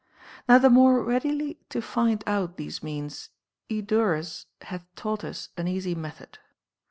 Now the more readily to find out these means Eudo rus hath taught us an easy method.